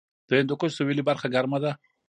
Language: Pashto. د هندوکش سویلي برخه ګرمه ده